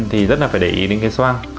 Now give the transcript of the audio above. thì rất là phải để ý đến cái xoang